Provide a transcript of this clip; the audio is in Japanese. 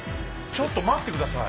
ちょっと待って下さい。